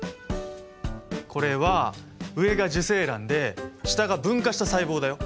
これは上が受精卵で下が分化した細胞だよ。